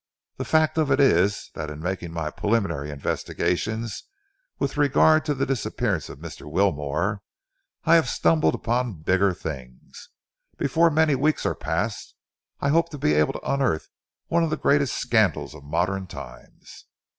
The fact of it is that in making my preliminary investigations with regard to the disappearance of Mr. Wilmore, I have stumbled upon a bigger thing. Before many weeks are past, I hope to be able to unearth one of the greatest scandals of modern times."